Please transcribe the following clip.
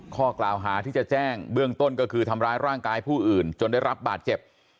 ข้อกล่าวหาที่จะแจ้งเบื้องต้นก็คือทำร้ายร่างกายผู้อื่นจนได้รับบาดเจ็บ